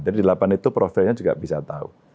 dari delapan itu profilnya juga bisa tahu